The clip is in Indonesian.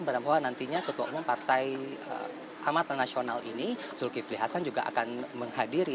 bahwa nantinya ketua umum partai amatan nasional ini zulkifli hasan juga akan menghadiri